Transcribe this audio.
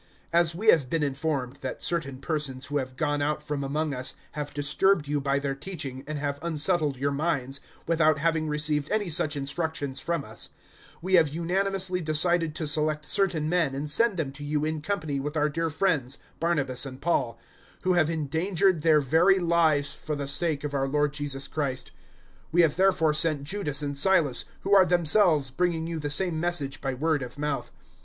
015:024 As we have been informed that certain persons who have gone out from among us have disturbed you by their teaching and have unsettled your minds, without having received any such instructions from us; 015:025 we have unanimously decided to select certain men and send them to you in company with our dear friends Barnabas and Paul, 015:026 who have endangered their very lives for the sake of our Lord Jesus Christ. 015:027 We have therefore sent Judas and Silas, who are themselves bringing you the same message by word of mouth.